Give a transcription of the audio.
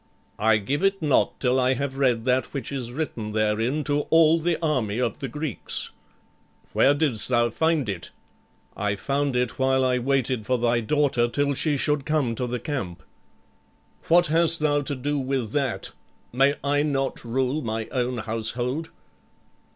"I give it not till I have read that which is written therein to all the army of the Greeks." "Where didst thou find it?" "I found it while I waited for thy daughter till she should come to the camp." "What hast thou to do with that? May I not rule my own household?"